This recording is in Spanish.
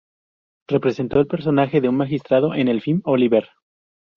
Representó el personaje de un magistrado en el film "Oliver!